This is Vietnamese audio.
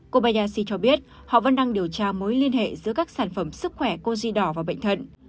kobayashi cho biết họ vẫn đang điều tra mối liên hệ giữa các sản phẩm sức khỏe cogi đỏ và bệnh thận